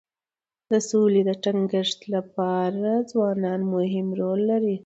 د سولې د ټینګښت لپاره ځوانان مهم رول لري.